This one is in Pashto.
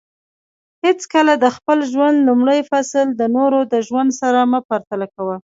حیڅکله د خپل ژوند لومړی فصل د نورو د ژوند سره مه پرتله کوه